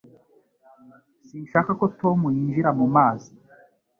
Sinshaka ko Tom yinjira mu mazi